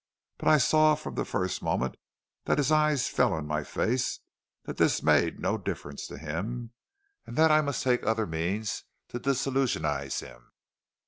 But I saw from the first moment that his eyes fell on my face that this made no difference to him, and that I must take other means to disillusionize him.